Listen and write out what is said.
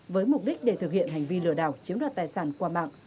với mục đích để thực hiện hành vi lừa đảo chiếm đoạt tài sản qua mạng